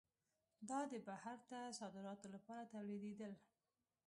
دا د بهر ته صادراتو لپاره تولیدېدل.